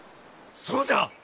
そうじゃ！